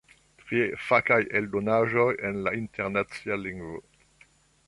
Trie, fakaj eldonaĵoj en la internacia lingvo.